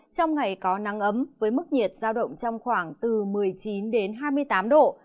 trong ngày có nắng ấm với mức nhiệt giao động trong khoảng từ một mươi chín đến hai mươi tám độ